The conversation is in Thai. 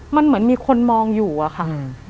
มันเหมือนมีคนมองอยู่อะค่ะ